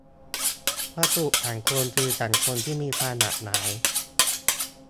พหุสังคม คือสังคมที่มีความหลากหลาย